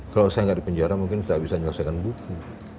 kalau saya nggak di penjara mungkin tidak bisa menyelesaikan buku